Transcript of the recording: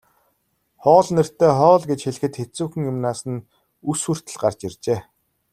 Хоол нэртэй хоол гэж хэлэхэд хэцүүхэн юмнаас нь үс хүртэл гарч иржээ.